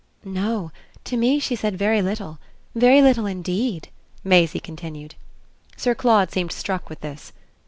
"No to me she said very little. Very little indeed," Maisie continued. Sir Claude seemed struck with this.